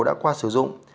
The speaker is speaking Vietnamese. đã qua sử dụng